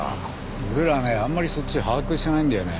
俺らねあんまりそっち把握してないんだよね。